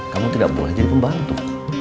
kamu tidak boleh jadi pembantu